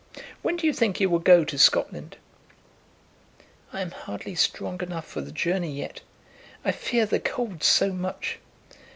When do you think you will go to Scotland?" "I am hardly strong enough for the journey yet. I fear the cold so much."